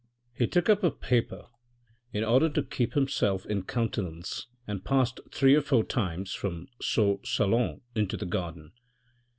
He took up a paper in order to keep Iimself in countenance and passed three or four times from soe salon into the garden.